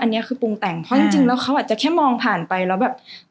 อันนี้คือปรุงแต่งเพราะจริงแล้วเขาอาจจะแค่มองผ่านไปแล้วแบบ